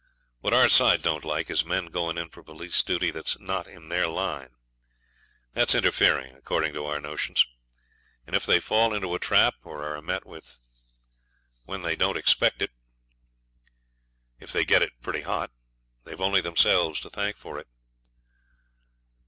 What our side don't like is men going in for police duty that's not in their line. That's interfering, according to our notions, and if they fall into a trap or are met with when they don't expect it they get it pretty hot. They've only themselves to thank for it.